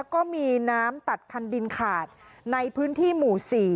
ก็มีน้ำตัดคันดินขาดในพื้นที่หมู่๔